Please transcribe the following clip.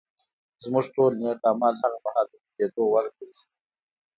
زموږ ټول نېک اعمال هغه مهال د قبلېدو وړ ګرځي